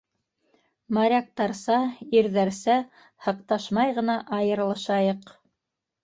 Моряктарса, ирҙәрсә, һыҡташмай ғына айырылышайыҡ.